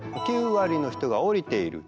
９割の人が降りている。